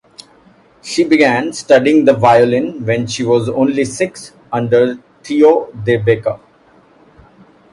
She began studying the violin when she was only six under Theo de Bakker.